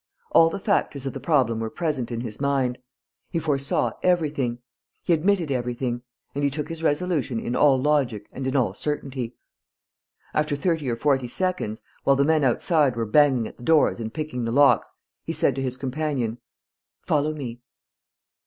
All the factors of the problem were present in his mind. He foresaw everything. He admitted everything. And he took his resolution in all logic and in all certainty. After thirty or forty seconds, while the men outside were banging at the doors and picking the locks, he said to his companion: "Follow me."